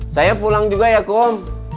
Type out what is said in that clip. saya pulang juga ya kom